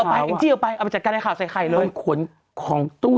ศัลยรัยร์จะนะอย่าทำคุณแม่